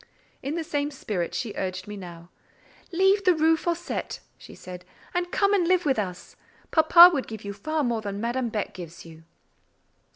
In the same spirit she urged me now—"Leave the Rue Fossette," she said, "and come and live with us. Papa would give you far more than Madame Beck gives you."